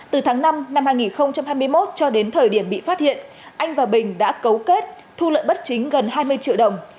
từ tháng năm năm hai nghìn hai mươi một cho đến thời điểm bị phát hiện anh và bình đã cấu kết thu lợi bất chính gần hai mươi triệu đồng